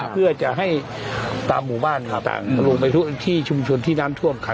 เพื่อจะให้ตามหมู่บ้านต่างทะลงไปทุกที่ชุมชนที่น้ำท่วมขัง